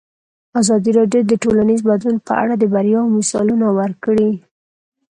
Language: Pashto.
ازادي راډیو د ټولنیز بدلون په اړه د بریاوو مثالونه ورکړي.